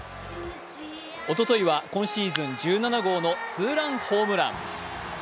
おとといは今シーズン１７号のツーランホームラン。